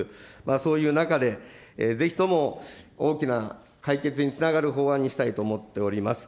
そういう中で、ぜひとも大きな解決につながる法案にしたいと思っております。